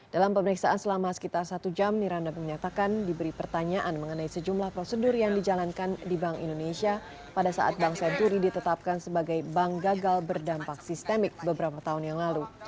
dalam pemeriksaan selama sekitar satu jam niranda menyatakan diberi pertanyaan mengenai sejumlah prosedur yang dijalankan di bank indonesia pada saat bank senturi ditetapkan sebagai bank gagal berdampak sistemik beberapa tahun yang lalu